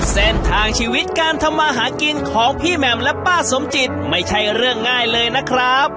เส้นทางชีวิตการทำมาหากินของพี่แหม่มและป้าสมจิตไม่ใช่เรื่องง่ายเลยนะครับ